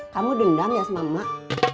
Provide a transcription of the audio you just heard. kamu dendam ya sama emak